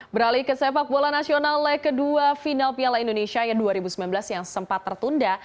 beralih ke sepak bola nasional leg kedua final piala indonesia dua ribu sembilan belas yang sempat tertunda